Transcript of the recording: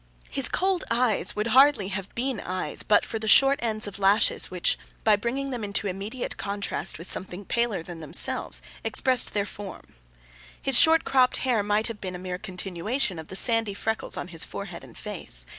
His cold eyes would hardly have been eyes, but for the short ends of lashes which, by bringing them into immediate contrast with something paler than themselves, expressed their form. His short cropped hair might have been a mere continuation of the sandy freckles on his forehead and face.